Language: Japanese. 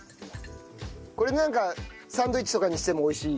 これなんかサンドウィッチとかにしても美味しい。